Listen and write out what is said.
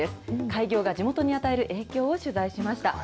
開業が地元に与える影響を取材しました。